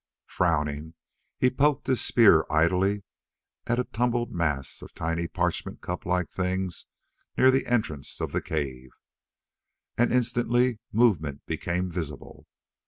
Frowning, he poked his spear idly at a tumbled mass of tiny parchment cup like things near the entrance of a cave. And instantly movement became visible.